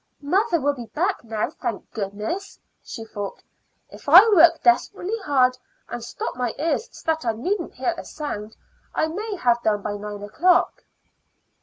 "Mother will be back now, thank goodness!" she thought. "If I work desperately hard, and stop my ears so that I needn't hear a sound, I may have done by nine o'clock."